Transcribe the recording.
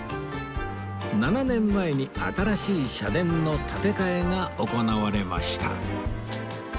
７年前に新しい社殿の建て替えが行われました